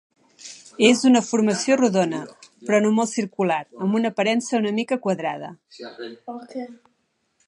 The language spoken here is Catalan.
És una formació rodona però no molt circular, amb una aparença una mica quadrada.